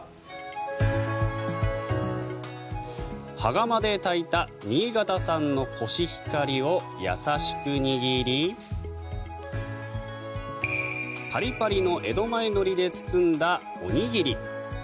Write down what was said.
羽釜で炊いた新潟産のコシヒカリを優しく握りパリパリの江戸前のりで包んだおにぎり。